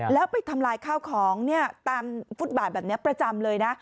แล้วไปทำลายข้าวของตามฟุตบาทแบบนี้ประจำเลยนะ